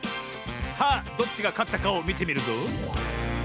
さあどっちがかったかをみてみるぞ。